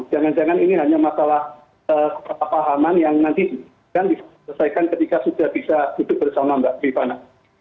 jangan jangan ini hanya masalah kepapahaman yang nanti akan diselesaikan ketika sudah bisa duduk bersama mbak rifana